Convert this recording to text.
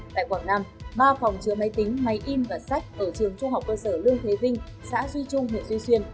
tại quảng nam ba phòng chứa máy tính máy in và sách ở trường trung học cơ sở lương thế vinh xã duy trung huyện duy xuyên